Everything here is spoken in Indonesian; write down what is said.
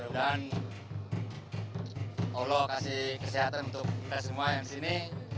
dan allah kasih kesehatan untuk kita semua yang di sini